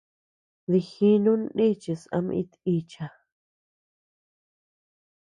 Dijinun nichis ama it icha.